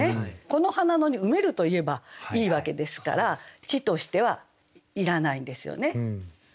この花野に「埋める」といえばいいわけですから「地として」はいらないんですよね。